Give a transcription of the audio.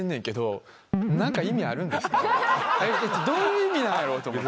どういう意味なんやろうと思って。